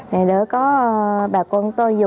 để có bà con tôi